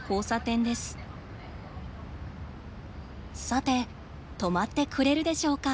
さて止まってくれるでしょうか。